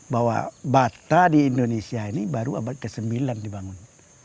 bahwa bata di indonesia ini baru abad ke sembilan dibangun